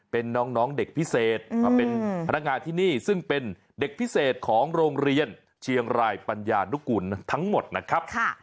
เป็นน้องเด็กพิเศษมาเป็นพนักงานที่นี่ซึ่งเป็นเด็กพิเศษของโรงเรียนเชียงรายปัญญานุกูลทั้งหมดนะครับ